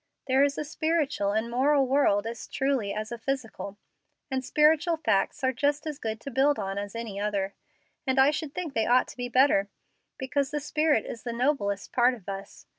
There is a spiritual and moral world as truly as a physical, and spiritual facts are just as good to build on as any other; and I should think they ought to be better, because the spirit is the noblest part of us.